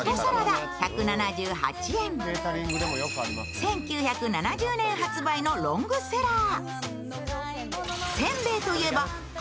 １９７０年発売のロングセラー。